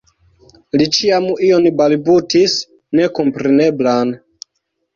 Li ĉiam ion balbutis nekompreneblan.